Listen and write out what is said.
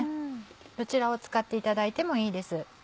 どちらを使っていただいてもいいです。